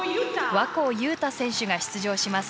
若生裕太選手が出場します。